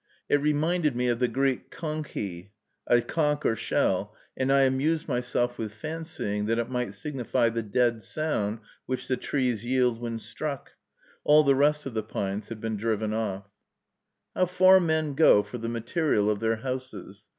It reminded me of the Greek κόγχη, a conch or shell, and I amused myself with fancying that it might signify the dead sound which the trees yield when struck. All the rest of the pines had been driven off. How far men go for the material of their houses!